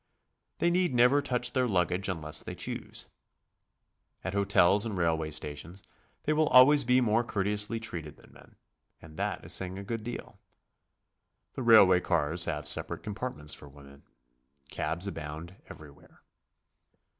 They need never touch their luggage unless they choose. At hotels and rail way stations they will always be more courteously treated than men, — and that is saying a good deal. The railway cars have separate compartments for women. Cabs abound every where.